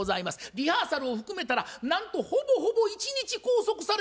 リハーサルを含めたらなんとほぼほぼ一日拘束されるみたいなもんです。